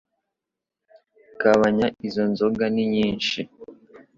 gabanya izo nzoga ni nyinshi